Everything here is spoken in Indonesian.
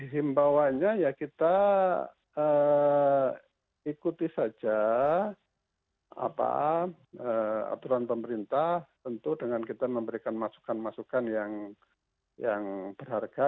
ya tentu himbauannya ya kita ikuti saja apa aturan pemerintah tentu dengan kita memberikan masukan masukan yang berharga